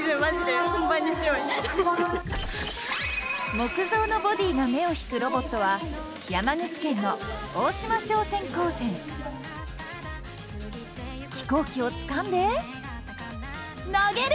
木造のボディが目を引くロボットは山口県の飛行機をつかんで投げる！